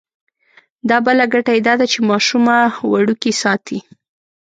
دا بله ګټه یې دا ده چې ماشومه وړوکې ساتي.